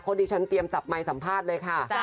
ที่ฉันเตรียมจับไมค์สัมภาษณ์เลยค่ะ